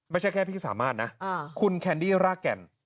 ไม่ใช่แค่พี่สามารถนะคุณแคนดี้รากแก่น